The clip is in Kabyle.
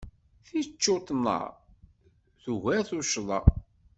Ticcuṭna tugar tuccḍa.